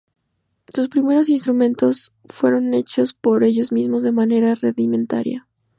Sus primeros instrumentos fueron hechos por ellos mismos de manera rudimentaria.